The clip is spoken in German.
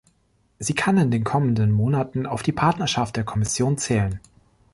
Sie kann in den kommenden Monaten auf die Partnerschaft der Kommission zählen.